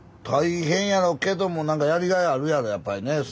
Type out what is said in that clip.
大変やろうけどもなんかやりがいあるやろやっぱりね。